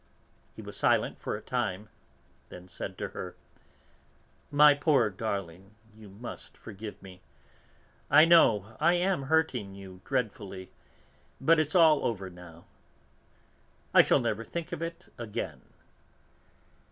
He was silent for a time, then said to her: "My poor darling, you must forgive me; I know, I am hurting you dreadfully, but it's all over now; I shall never think of it again."